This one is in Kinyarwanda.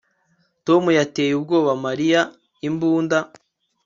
Tom yateye ubwoba Mariya imbunda